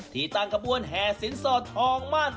ที่ตั้งขบวนแห่สินสอดทองมั่น